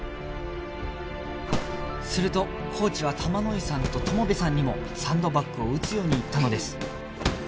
するとコーチは玉乃井さんと友部さんにもサンドバッグを打つように言ったのです